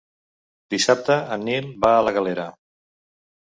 Dissabte en Nil va a la Galera.